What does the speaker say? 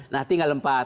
nah tinggal empat